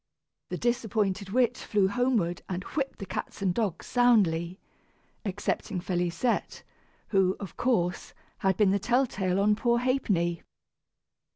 The disappointed witch flew homeward and whipped the cats and dogs soundly excepting Félisette, who, of course, had been the tell tale on poor Ha'penny.